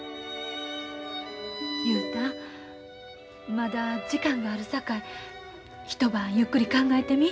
まだ時間があるさかい一晩ゆっくり考えてみ。